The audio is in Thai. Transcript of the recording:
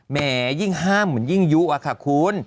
แหมยิ่งห้ามเหมือนยิ่งยุอะค่ะคุณ